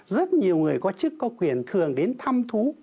rất nhiều người có chức có quyền thường đến thăm thú